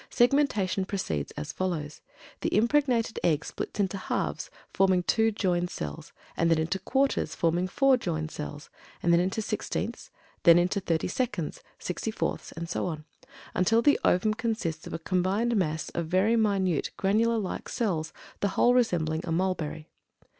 Segmentation proceeds as follows: the impregnated egg splits into halves, forming two joined cells; then into quarters, forming four joined cells; then into sixteenths, then into thirty seconds, sixty fourths, and so on, until the ovum consists of a combined mass of very minute granular like cells, the whole resembling a mulberry.